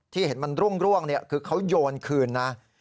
เห็นมันร่วงคือเขาโยนคืนนะ